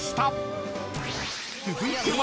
［続いては］